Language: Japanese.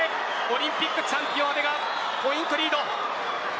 オリンピックチャンピオン阿部がポイントリード。